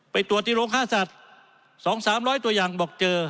ไปตรวจที่โรงค่าสัตว์สองสามร้อยตัวอย่างบอกเจอ